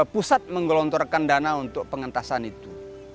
pusat menggelontorkan dana untuk pengentasan itu